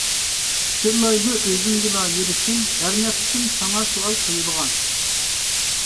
پىچىرلايدۇ ئۆزۈمگىلا يۈرىكىم، ھەر نەپىسىم ماڭا سوئال قويۇلغان.